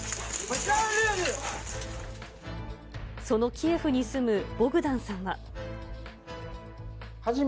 そのキエフに住むボグダンさんは。